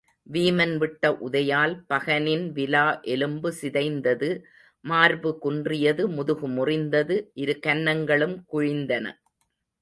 வீமன் விட்ட உதையால் பகனின் விலா எலும்பு சிதைந்தது மார்பு குன்றியது முதுகு முறிந்தது இரு கன்னங்களும் குழிந்தன.